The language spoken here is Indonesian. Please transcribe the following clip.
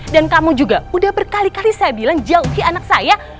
dan kamu juga udah berkali kali saya bilang jauhi anak saya